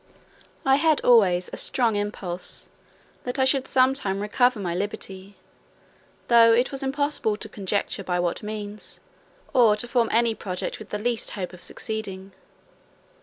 I had always a strong impulse that I should some time recover my liberty, though it was impossible to conjecture by what means, or to form any project with the least hope of succeeding.